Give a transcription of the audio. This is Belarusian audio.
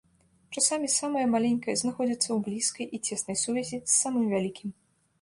Часамі самае маленькае знаходзіцца ў блізкай і цеснай сувязі з самым вялікім.